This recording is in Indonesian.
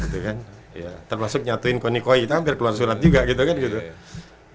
termasuk nyatuin konikoi kita hampir keluar surat juga gitu kan